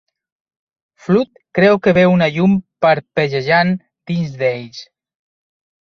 Flood creu que veu una llum parpellejant dins d'ells.